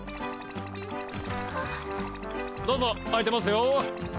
どうぞ空いてますよ。